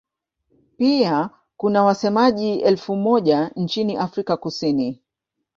Pia kuna wasemaji elfu moja nchini Afrika Kusini.